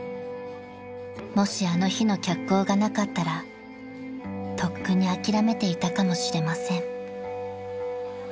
［もしあの日の脚光がなかったらとっくに諦めていたかもしれません］